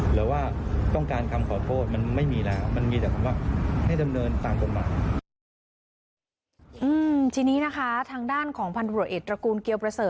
หรือว่าต้องการคำขอโทษมันไม่มีแล้ว